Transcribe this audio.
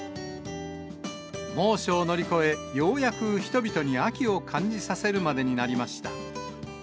猛暑を乗り越え、ようやく人々に秋を感じさせるまでになりました。